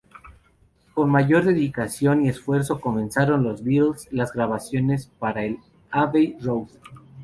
Con mayor dedicación y esfuerzo comenzaron los Beatles las grabaciones para el "Abbey Road".